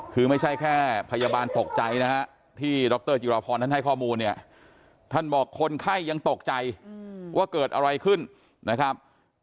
คือไม่ใช่แค่พยาบาลตกใจนะฮะที่ดรจิรพรท่านให้ข้อมูลเนี่ยท่านบอกคนไข้ยังตกใจว่าเกิดอะไรขึ้นนะครับ